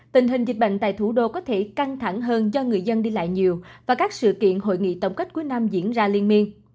tình hình dịch bệnh tại thủ đô có thể căng thẳng hơn do người dân đi lại nhiều và các sự kiện hội nghị tổng cách quý nam diễn ra liên miên